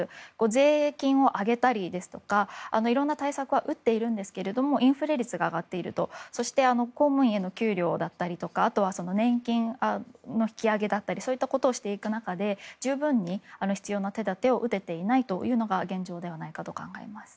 税金を上げたりとかいろんな対策は打っているんですがインフレ率が上がっていて公務員への給料だったりとかあとは年金の引き上げなどをしていく中で十分に必要な手立てを打てていないのが現状ではないかと考えます。